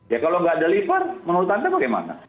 ya kalau nggak deliver menurut anda bagaimana